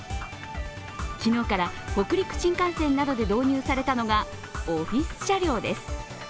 昨日から北陸新幹線などで導入されたのがオフィス車両です。